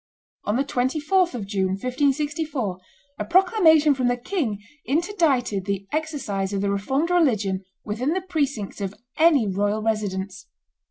On the 24th of June, 1564, a proclamation from the king interdicted the exercise of the Reformed religion within the precincts of any royal residence.